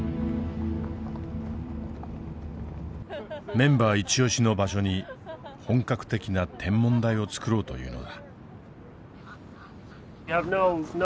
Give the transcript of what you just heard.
メンバーイチオシの場所に本格的な天文台を作ろうというのだ。